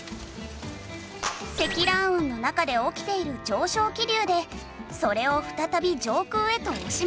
積乱雲の中で起きている上昇気流でそれを再び上空へと押し戻す。